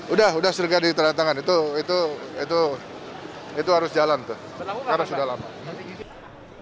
udah udah serga di terang tangan itu harus jalan tuh karena sudah lama